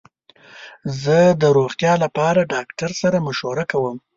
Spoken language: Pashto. زه د روغتیا لپاره ډاکټر سره مشوره کوم.